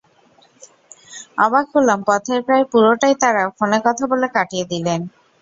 অবাক হলাম পথের প্রায় পুরোটাই তাঁরা ফোনে কথা বলে কাটিয়ে দিলেন।